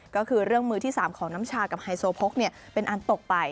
ก็คือเรื่องมือที่๓ของน้ำชากับไฮโซโพกเป็นอันตกไป